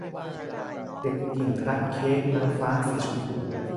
เด็กหญิงรักเค้กนางฟ้าสีชมพู